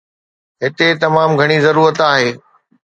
هتي تمام گهڻي ضرورت آهي.